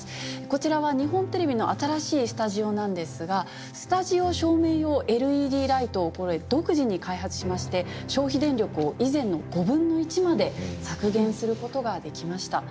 こちらは日本テレビの新しいスタジオなんですがスタジオ照明用ＬＥＤライトを独自に開発しまして消費電力を以前の５分の１まで削減することができました。